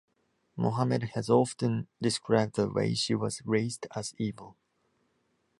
Mohammed has often described the way she was raised as "evil".